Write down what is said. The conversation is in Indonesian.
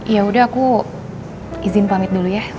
yaudah aku izin pamit dulu ya